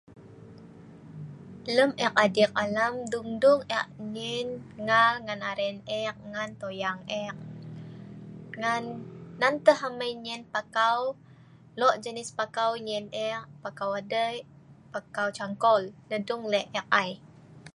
lem ek adik alam dung-dung ek nyen ngal ngan aren ek ngan toyang ek ngan nan teh amei nyen pakau lok jenis pakau nyen ek pakau adei pakau cangkul neh dung lek ek ai